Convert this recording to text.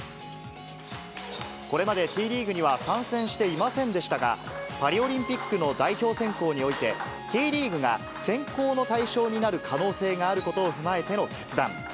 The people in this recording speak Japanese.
これまでＴリーグには参戦していませんでしたが、パリオリンピックの代表選考において、Ｔリーグが選考の対象になる可能性があることを踏まえての決断。